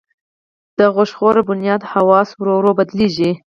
د غوښه خور بنیادم حواس ورو ورو بدلېږي.